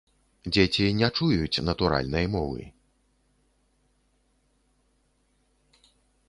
Дзеці не чуюць натуральнай мовы.